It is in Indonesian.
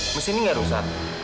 mesinnya gak rusak